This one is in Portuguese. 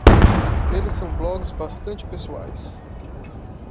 Eles são blogs bastante pessoais.